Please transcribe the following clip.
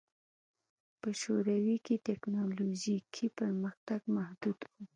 په شوروي کې ټکنالوژیکي پرمختګ محدود و